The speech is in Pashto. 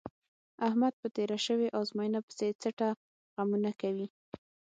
احمد په تېره شوې ازموینه پسې څټه غمونه کوي.